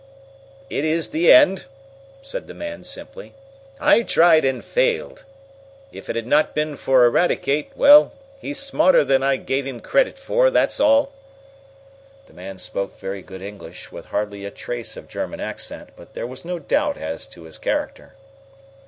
"It is the end," said the man simply. "I tried and failed. If it had not been for Eradicate Well, he's smarter than I gave him credit for, that's all!" The man spoke very good English, with hardly a trace of German accent, but there was no doubt as to his character.